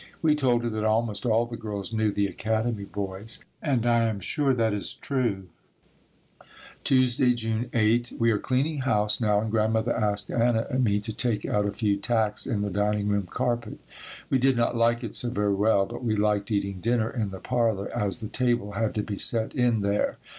We told her that almost all the girls knew the Academy boys and I am sure that is true. Tuesday, June 8. We are cleaning house now and Grandmother asked Anna and me to take out a few tacks in the dining room carpet. We did not like it so very well but we liked eating dinner in the parlor, as the table had to be set in there.